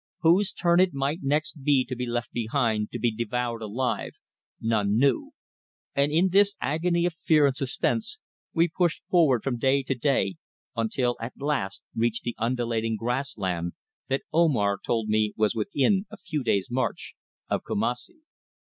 Whose turn it might next be to be left behind to be devoured alive none knew, and in this agony of fear and suspense we pushed forward from day to day until we at last reached the undulating grass land that Omar told me was within a few days' march of Kumassi.